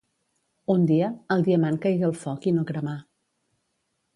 Un dia, el diamant caigué al foc i no cremà.